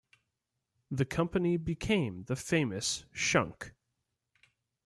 The company became the famous Schunck.